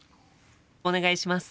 お願いします。